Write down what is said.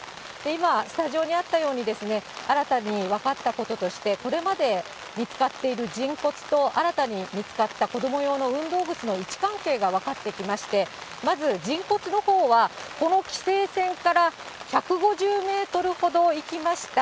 今、スタジオにあったようにですね、新たに分かったこととして、これまで見つかっている人骨と、新たに見つかった子ども用の運動靴の位置関係が分かってきまして、まず人骨のほうは、この規制線から１５０メートルほど行きました、